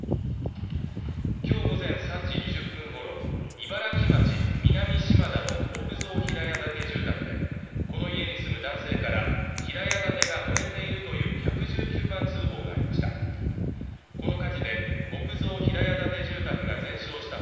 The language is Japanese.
今日午前３時２０分ごろ茨城町南島田の木造平屋建て住宅でこの家に住む男性から平屋建てが燃えているという１１９番通報がありました